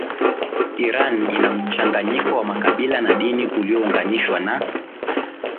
Iran ina mchanganyiko wa makabila na dini uliounganishwa na